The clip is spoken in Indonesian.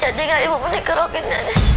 jadi gak ibu mesti kerokin aja